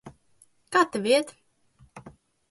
Kā tev iet?